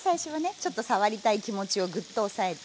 ちょっと触りたい気持ちをグッと抑えて。